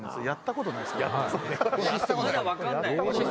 やったことないっすからね。